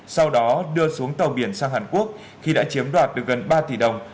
sau đó đưa xuống tàu biển sang hàn quốc khi đã chiếm đoạt được gần ba tỷ đồng